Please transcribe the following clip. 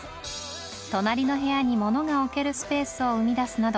隣の部屋に物が置けるスペースを生み出すなど